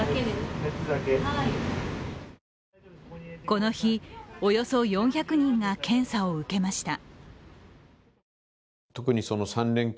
この日、およそ４００人が検査を受けました。